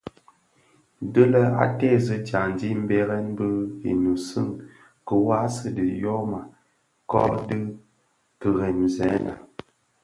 Dhi lè a teezi dyaňdi mbèrèn bi inèsun kiwasi ki tyoma kö dhi kiremzèna.